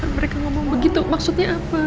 mereka ngomong begitu maksudnya apa